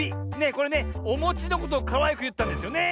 これねおもちのことをかわいくいったんですよね？